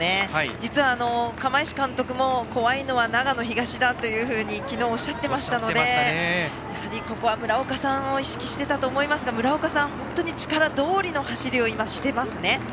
実は釜石監督も怖いのは長野東だと昨日、おっしゃってましたのでここは村岡さんを意識していたと思いますが村岡さんは力どおりの走りを今、していますね。